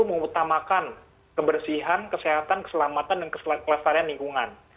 mengutamakan kebersihan kesehatan keselamatan dan kelestarian lingkungan